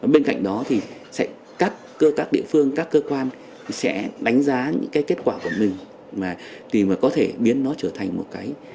bên cạnh đó thì sẽ các cơ các địa phương các cơ quan sẽ đánh giá những cái kết quả của mình mà thì mà có thể biến nó trở thành một cái